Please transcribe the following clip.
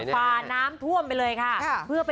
ฟาน้ำพ่อไปเลย